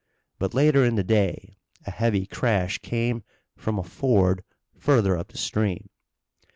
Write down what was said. But later in the day a heavy crash came from a ford further up the stream.